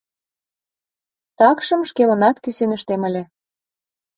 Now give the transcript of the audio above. Такшым шкемынат кӱсеныштем ыле.